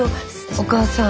お母さん。